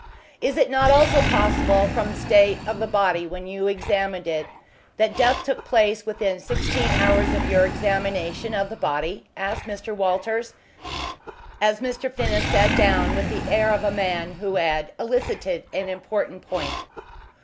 "Is it not also possible, from the state of the body when you examined it, that death took place within sixteen hours of your examination of the body?" asked Mr. Walters, as Mr. Finnis sat down with the air of a man who had elicited an important point.